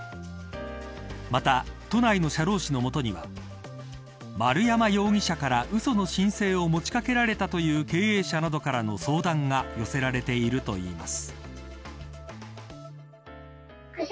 また、都内の社労士の元には丸山容疑者からうその申請を持ちかけられたという経営者などからの相談が寄せられているといいます。